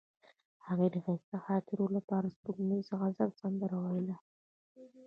هغې د ښایسته خاطرو لپاره د سپوږمیز غزل سندره ویله.